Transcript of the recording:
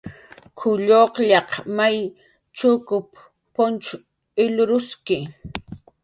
"K""uw lluqllaq may chukup punch ilruski"